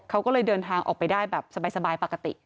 เขาก็เลยเดินทางออกไปได้แบบสบายปกติ